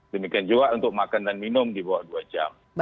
demikian juga untuk makan dan minum di bawah dua jam